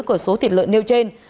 của số thịt lợn nêu trên